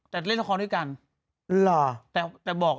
แต่ก็ได้เล่นชอบชุดอย่างกันกัน